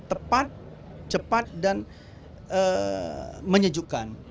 tepat cepat dan menyejukkan